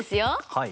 はい。